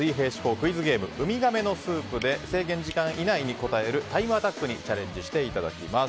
クイズゲームウミガメのスープで制限時間以内に答えるタイムアタックにチャレンジしていただきます。